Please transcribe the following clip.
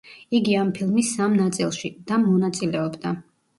იგი ამ ფილმის სამ ნაწილში: და მონაწილეობდა.